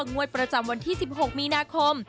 งวดประจำวันที่๑๖มีนาคม